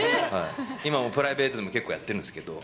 今もプライベートでも結構やってるんですけど。